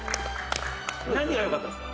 「何が良かったんですか？」